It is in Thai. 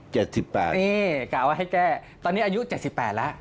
เจ็ดสิบแปดนี่กล่าวให้แก้ตอนนี้อายุเจ็ดสิบแปดแล้ว